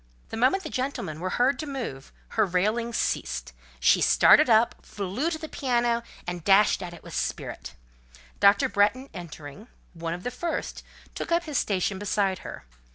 The moment the gentlemen were heard to move, her railings ceased: she started up, flew to the piano, and dashed at it with spirit. Dr. Bretton entering, one of the first, took up his station beside her.